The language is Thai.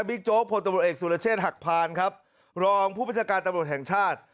บิ๊กโจ๊กพลต่างบุญเอกซูหลาเชศหักพานครับรองผู้ผู้ประชาการตำรวจแห่งชาติ